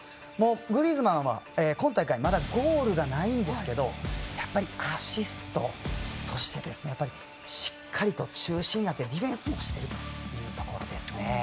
グリーズマンは、今大会まだゴールがないんですけどアシスト、そしてしっかりと中心になってディフェンスもしてるというところですね。